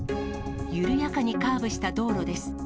緩やかにカーブした道路です。